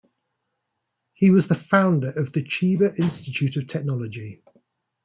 He was the founder of the Chiba Institute of Technology.